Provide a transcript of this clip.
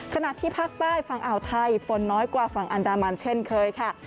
ขณะที่ภาคใต้ฝั่งอ่าวไทยฝนน้อยกว่าฝั่งอันดามันเช่นเคยค่ะ